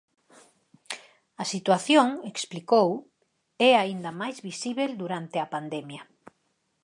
A situación, explicou, é aínda máis visíbel durante a pandemia.